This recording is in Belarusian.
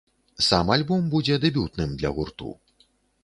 Сам альбом будзе дэбютным для гурту.